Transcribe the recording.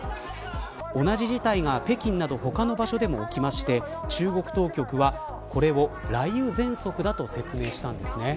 同じ事態が北京など他の場所でも起きまして中国当局はこれを雷雨ぜんそくだと説明したんです。